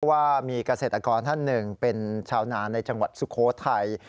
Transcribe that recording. ว่ามีเกษตรกรท่านหนึ่งเป็นชาวนาในจังหวัดสุโขทัย